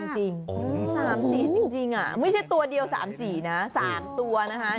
จริง๓สีจริงไม่ใช่ตัวเดียว๓สีนะ๓ตัวนะคะ